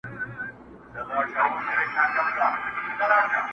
اورېدلي یې زاړه وراسته نکلونه.!